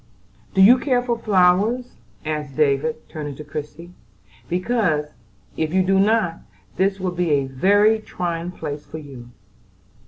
"Do you care for flowers?" asked David, turning to Christie, "because if you do not, this will be a very trying place for you."